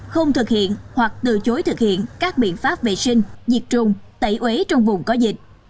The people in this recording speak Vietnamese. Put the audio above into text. không thực hiện hoặc từ chối thực hiện các biện pháp vệ sinh diệt trùng tẩy uế trong vùng có dịch